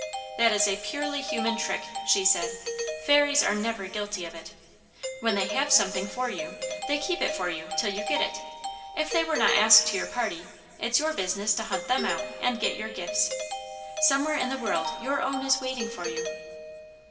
'That is a purely human trick!' she said; 'fairies are never guilty of it. When they have something for you, they keep it for you till you get it. If they were not asked to your party, it's your business to hunt them out and get your gifts. Somewhere in the world your own is waiting for you.'